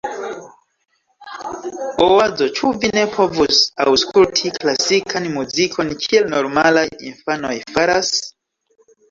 Oazo: "Ĉu vi ne povus aŭskulti klasikan muzikon kiel normalaj infanoj faras?"